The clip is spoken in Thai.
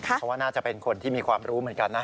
เพราะว่าน่าจะเป็นคนที่มีความรู้เหมือนกันนะ